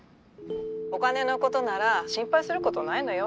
お金のことなら心配することないのよ。